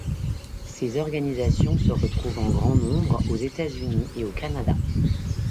Ces organisations se retrouvent en grand nombre aux États-Unis et au Canada.